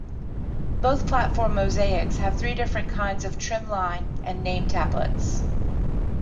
Both platform mosaics have three different kinds of trim line and name tablets.